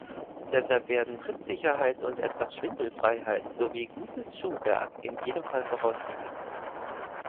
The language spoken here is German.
Deshalb werden Trittsicherheit und etwas Schwindelfreiheit sowie gutes Schuhwerk in jedem Fall vorausgesetzt.